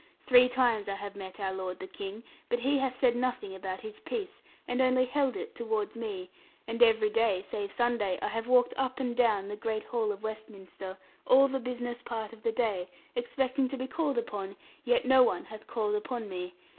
Three times I have met our lord the King, but he hath said nothing about his peace, and only held it towards me, and every day, save Sunday, I have walked up and down the great hall of Westminster, all the business part of the day, expecting to be called upon, yet no one hath called upon me.